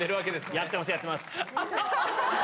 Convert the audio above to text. やってます、やってます。